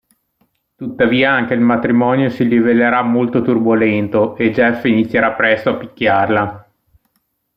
Tuttavia anche il matrimonio si rivelerà molto turbolento, e Jeff inizierà presto a picchiarla.